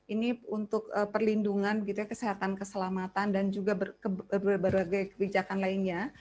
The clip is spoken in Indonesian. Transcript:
ini untuk perlindungan kesehatan keselamatan dan juga berbagai kebijakan lainnya